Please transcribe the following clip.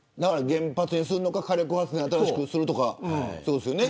原発にするのか火力発電を新しくするとかですよね。